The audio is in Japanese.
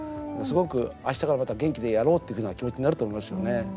すごく、あしたからまた元気でやろうっていうふうな気持ちになると思いますよね。